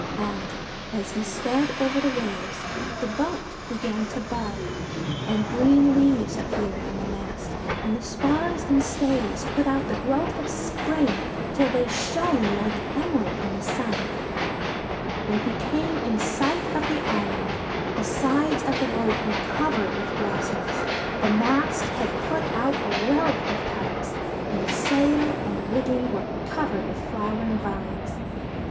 And, as he sped over the waves, the boat began to bud ; and green leaves appeared on the mast, and the spars and stays put out the growth of spring, till they shone like emerald in the sun. When he came in sight of the island, the sides of the boat were covered with blossoms, the mast had put out a wealth of petals, and the sail and rigging were covered with flowering vines.